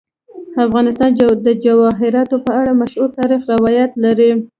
افغانستان د جواهرات په اړه مشهور تاریخی روایتونه لري.